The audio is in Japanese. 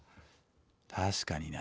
確かにな。